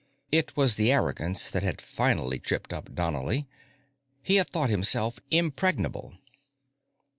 It was the arrogance that had finally tripped up Donnely. He had thought himself impregnable.